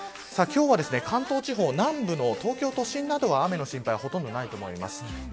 今日はですね、関東地方南部の東京都心などは雨の心配はほとんどないと思います。